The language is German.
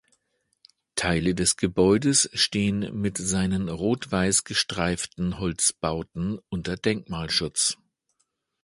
Teile des Gebäudes stehen mit seinen rot-weiß-gestreiften Holzbauten unter Denkmalschutz.